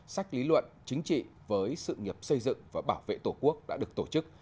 sách lý luận chính trị với sự nghiệp xây dựng và bảo vệ tổ quốc đã được tổ chức